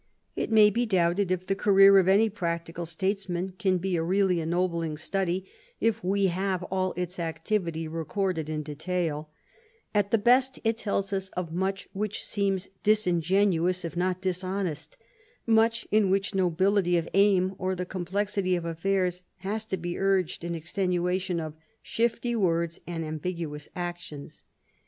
It may be doubted if the career of any practical statesman can be a really en nobling study if we have all its activity recorded in detail At the best it tells us of much which seems disingenuous if not dishonest — much in which nobility of aim or the complexity of affairs has to be urged in extenuation of shifty words and ambiguous actions.